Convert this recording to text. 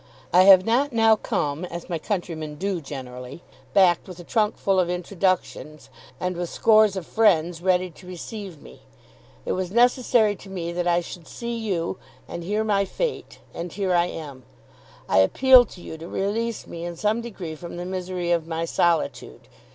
I have not now come, as my countrymen do generally, backed with a trunk full of introductions and with scores of friends ready to receive me. It was necessary to me that I should see you and hear my fate, and here I am. I appeal to you to release me in some degree from the misery of my solitude.